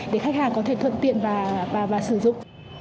để khách hàng có thể thuận tiện và sử dụng